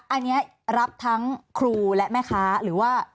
อันนี้รับทั้งครูและแม่ค้าหรือว่า